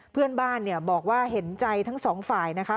เพื่อนบ้านบอกว่าเห็นใจทั้งสองฝ่ายนะคะ